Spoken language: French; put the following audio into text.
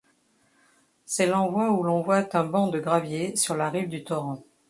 C'est l'endroit où l'on voit un banc de graviers sur la rive du torrent.